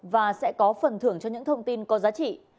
và sẽ có phần thưởng cho những thông tin có giá trị